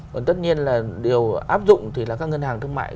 còn tất nhiên là điều áp dụng thì là các ngân hàng thương mại